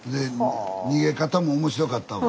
逃げ方も面白かったわ。